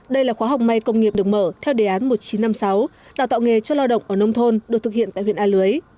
đây là khóa học may công nghiệp được mở theo đề án một nghìn chín trăm năm mươi sáu đào tạo nghề cho lao động ở nông thôn được thực hiện tại huyện a lưới